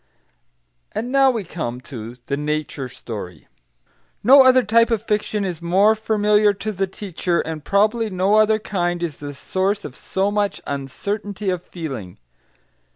And now we come to THE NATURE STORY No other type of fiction is more familiar to the teacher, and probably no other kind is the source of so much uncertainty of feeling.